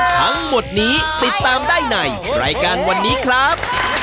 ทั้งหมดนี้ติดตามได้ในรายการวันนี้ครับ